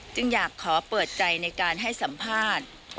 จึงอยากขอเปิดใจในการให้สัมภาษณ์